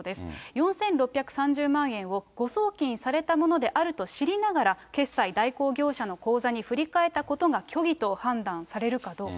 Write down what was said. ４６３０万円を誤送金されたものであると知りながら、決済代行業者の口座に振り替えたことが虚偽と判断されるかどうか。